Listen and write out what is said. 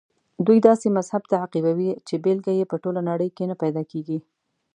دوی داسې مذهب تعقیبوي چې بېلګه یې په ټوله نړۍ کې نه پیدا کېږي.